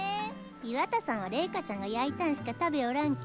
岩田さんはレイカちゃんが焼いたんしか食べよらんけ。